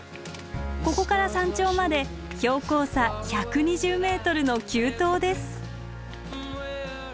ここから山頂まで標高差１２０ｍの急登です。